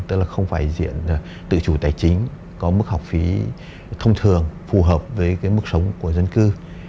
tức là không phải diện tự chủ tài chính có mức học phí thông thường phù hợp với cái mức sống của dân cư